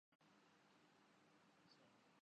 یہاں کے جنت نظیر نظارے سیاح کو ساری زندگی یاد رہتے ہیں